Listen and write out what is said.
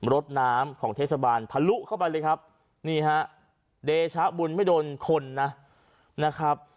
รถน้ำของเทศบาลทะลุเข้าไปเลยครับนี่ฮะเดชะบุญไม่โดนคนนะครับ